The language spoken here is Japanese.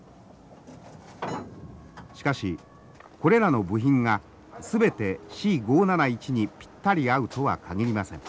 しかしこれらの部品が全てＣ５７１にピッタリ合うとは限りません。